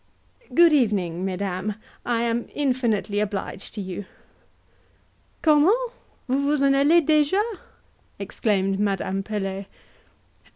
Good evening, mesdames I am infinitely obliged to you." "Comment! vous vous en allez deja?" exclaimed Madame Pelet.